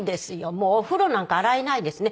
もうお風呂なんか洗えないですね。